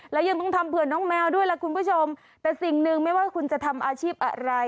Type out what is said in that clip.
และยังต้องทำเผื่อน้องแมวด้วยล่ะคุณผู้ชมแต่สิ่งหนึ่งไม่ว่าคุณจะทำอาชีพอะไร